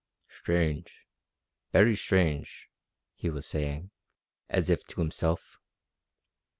"Strange, very strange," he was saying, as if to himself.